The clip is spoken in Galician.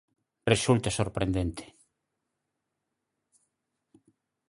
Resulta sorprendente.